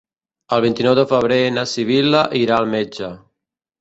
El vint-i-nou de febrer na Sibil·la irà al metge.